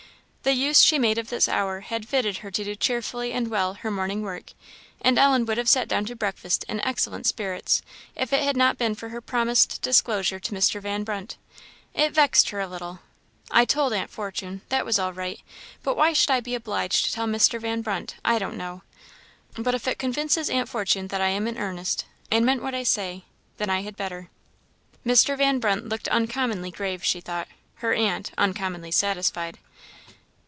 The use she made of this hour had fitted her to do cheerfully and well her morning work; and Ellen would have sat down to breakfast in excellent spirits if it had not been for her promised disclosure to Mr. Van Brunt. It vexed her a little. "I told Aunt Fortune that was all right; but why I should be obliged to tell Mr. Van Brunt, I don't know. But if it convinces aunt Fortune that I am in earnest, and meant what I say then I had better." Mr. Van Brunt looked uncommonly grave, she thought; her aunt, uncommonly satisfied.